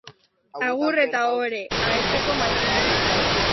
Agur eta ohore, Ahetzeko Mattin.